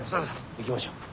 行きましょう。